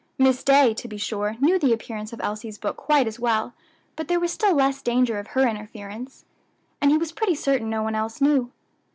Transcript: Miss Day, to be sure, knew the appearance of Elsie's book quite as well, but there was still less danger of her interference, and he was pretty certain no one else knew.